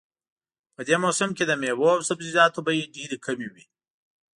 په دې موسم کې د میوو او سبزیجاتو بیې ډېرې کمې وي